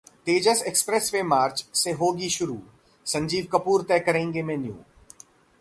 तेजस express मार्च से होगी शुरू, संजीव कपूर तय करेंगे मेन्यू